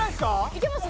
いけます？